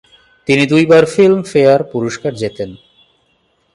তিনি দুইবার ফিল্মফেয়ার পুরস্কার জেতেন।